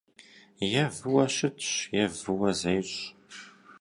Е выуэ щытщ, е выуэ зещӏ.